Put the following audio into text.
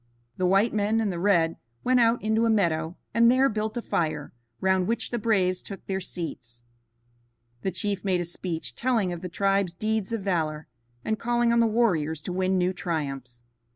The white men and the red went out into a meadow and there built a fire, round which the braves took their seats. The chief made a speech telling of the tribe's deeds of valor, and calling on the warriors to win new triumphs.